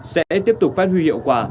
sẽ tiếp tục phát huy hiệu quả